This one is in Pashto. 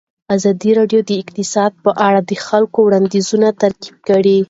ازادي راډیو د اقتصاد په اړه د خلکو وړاندیزونه ترتیب کړي.